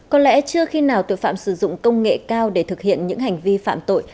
có lẽ chưa khi nào tội phạm sử dụng công nghệ cao để thực hiện những hành vi phạm tội